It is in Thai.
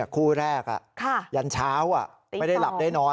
คู่แรกยันเช้าไม่ได้หลับได้นอน